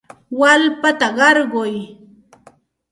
Wallpata qarquy.